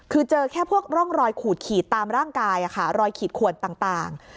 คือเจอแค่พวกร่องรอยขูดขีดตามร่างกายรอยขีดขวนต่าง